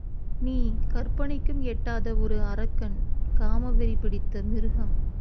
நீ கற்பனைக்கும் எட்டாத ஒரு அரக்கன் காமவெறி பிடித்த மிருகம்.